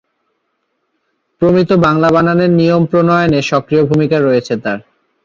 প্রমিত বাংলা বানানের নিয়ম প্রণয়নে সক্রিয় ভূমিকা রয়েছে তার।